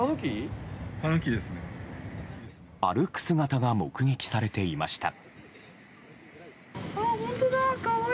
歩く姿が目撃されていました。